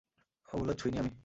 ওগুলো ছুঁইনি আমি।